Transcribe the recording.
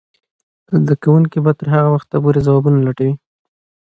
زده کوونکې به تر هغه وخته پورې ځوابونه لټوي.